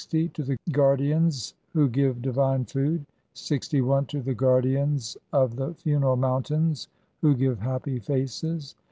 to the Guardians who give divine food (?), 61. to the Guardians of the funeral mountains who give happy faces